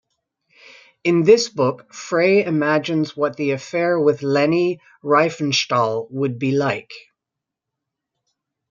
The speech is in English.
In this book Frei imagines what the affair with Leni Riefenstahl would be like.